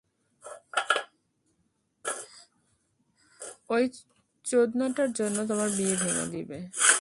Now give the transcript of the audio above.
ঐ চোদনাটার জন্য তোমার বিয়ে ভেঙে দিবে?